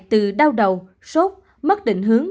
từ đau đầu sốt mất định hướng